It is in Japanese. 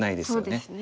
そうですね。